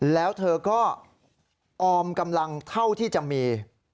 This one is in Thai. แล้วเธอก็ออมกำลังเท่าที่จะมี